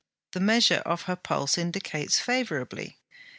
The measure of her pulse indicates favourably.